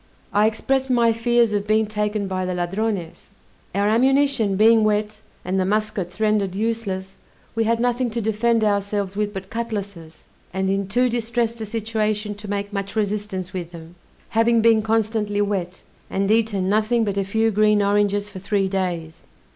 I expressed my fears of being taken by the Ladrones. Our ammunition being wet, and the muskets rendered useless, we had nothing to defend ourselves with but cutlasses, and in too distressed a situation to make much resistance with them, having been constantly wet, and eaten nothing but a few green oranges for three days.